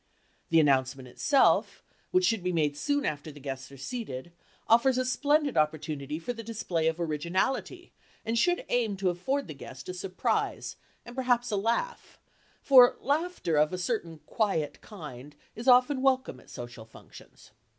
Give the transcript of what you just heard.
The announcement itself which should be made soon after the guests are seated, offers a splendid opportunity for the display of originality and should aim to afford the guest a surprise and perhaps a laugh, for laughter of a certain quiet kind is often welcome at social functions.